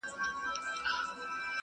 زما ښکلې لمسۍ مُنانۍ -